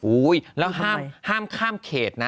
แล้วห้ามข้ามเขตนะ